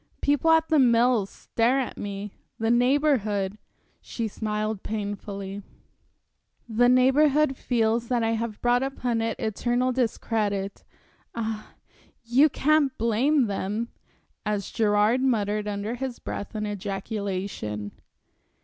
People at The Mills stare at me, the Neighborhood" she smiled painfully "the Neighborhood feels that I have brought upon it eternal discredit. Ah, you can't blame them" as Gerard muttered under his breath an ejaculation.